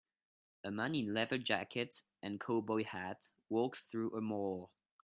A man in a leather jacket and cowboy hat walks through a mall